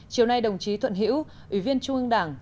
chiều nay đồng chí thuận hữu ủy viên trung ương đảng